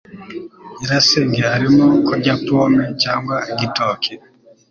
Nyirasenge arimo kurya pome cyangwa igitoki?